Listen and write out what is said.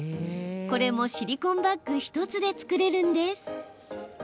これもシリコンバッグ１つで作れるんです。